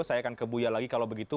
saya akan ke buya lagi kalau begitu